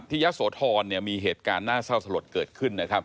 ที่เยาะโสทรมีเหตุการณ์น่าเศร้าสลดเกิดขึ้น